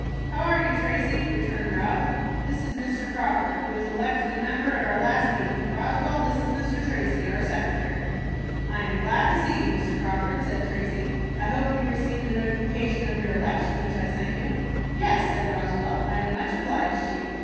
"How are you, Tracy?" returned Ralph. "This is Mr. Crawford, who was elected a member at our last meeting. Roswell, this is Mr. Tracy, our secretary." "I am glad to see you, Mr. Crawford," said Tracy. "I hope you received the notification of your election which I sent you." "Yes," said Roswell. "I am much obliged to you."